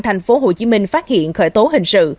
tp hcm phát hiện khởi tố hình sự